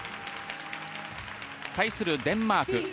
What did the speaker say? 対するデンマーク。